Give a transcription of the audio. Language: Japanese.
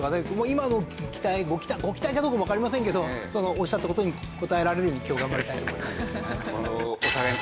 今の期待ご期待かどうかもわかりませんけどおっしゃった事に応えられるように今日は頑張りたいと思います。